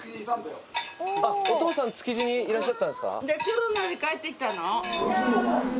お父さん築地にいらっしゃったんですか。